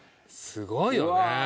すごいよね。